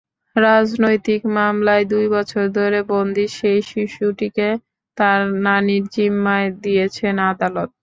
রাজনৈতিক মামলায় দুই বছর ধরে বন্দী সেই শিশুটিকে তার নানির জিম্মায় দিয়েছেন আদালত।